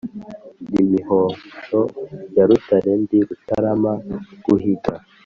Ndi Mihosho ya Rutare, ndi rutaramana guhiga,